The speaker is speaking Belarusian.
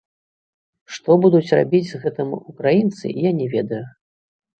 Што будуць рабіць з гэтым украінцы, я не ведаю.